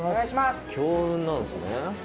「強運なんですね」